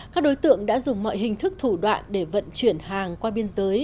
các đối tượng đã dùng mọi hình thức thủ đoạn để vận chuyển hàng qua biên giới